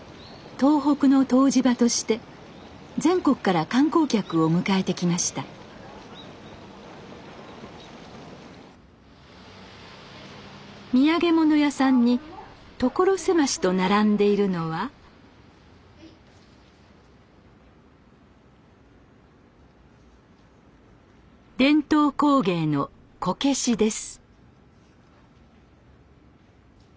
東北の湯治場として全国から観光客を迎えてきました土産物屋さんに所狭しと並んでいるのは伝統工芸のこけしです